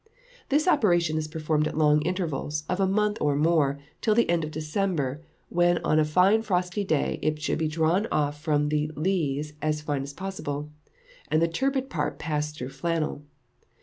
This operation is performed at long intervals, of a month or more, till the end of December, when on a fine frosty day it should be drawn off from the lees as fine as possible; and the turbid part passed through flannel.